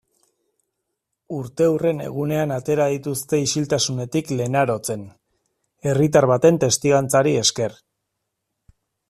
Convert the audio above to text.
Urteurren egunean atera dituzte isiltasunetik Lenarotzen, herritar baten testigantzari esker.